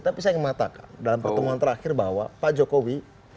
tapi saya ingin mengatakan dalam pertemuan terakhir bahwa pak jokowi